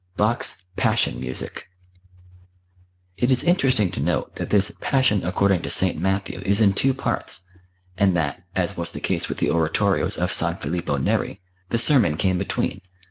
Bach's "Passion Music." It is interesting to note that this "Passion According to St. Matthew" is in two parts, and that, as was the case with the oratorios of San Filippo Neri, the sermon came between.